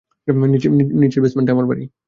নিচের বেসমেন্টটাই আমার বাড়ি।